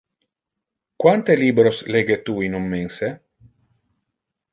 Quante libros lege tu in un mense?